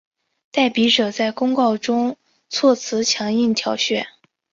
代笔者在公告中措辞强硬挑衅。